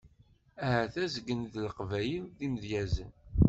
Ahat azgen deg Leqbayel d imedyazen.